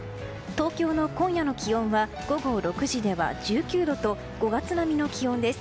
東京の今夜の気温は午後６時では１９度と５月並みの気温です。